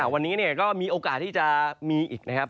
วันนี้ก็มีโอกาสที่จะมีอีกนะครับ